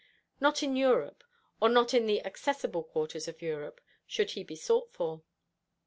Not in Europe or not in the accessible quarters of Europe should he be sought for.